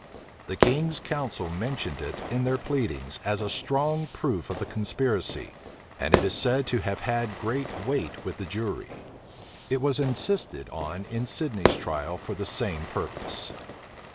The king's counsel mentioned it in their pleadings as a strong proof of the conspiracy; and it is said to have had great weight with the jury. It was insisted on in Sidney's trial for the same purpose.